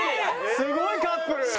すごいカップル！